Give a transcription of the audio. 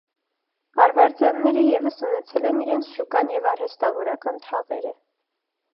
Արվարձանները ևս ունեցել են իրենց շուկան և արհեստավորական թաղերը։